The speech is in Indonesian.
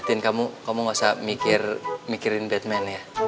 tin kamu gak usah mikirin batman ya